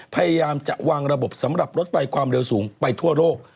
พยายามจะวางระบบสำหรับรถไฟความเร็วสูงไปทั่วโลก